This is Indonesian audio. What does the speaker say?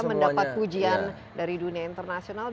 mendapat pujian dari dunia internasional